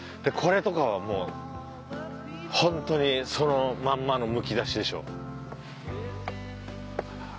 これとかはもうホントにそのまんまのむき出しでしょ。